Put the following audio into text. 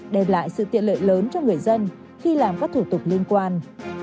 đem lại sự tiện lợi lớn cho người dân khi làm các thủ tục liên quan